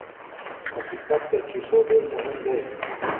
حقیقت تر کیسو ډېر مهم دی.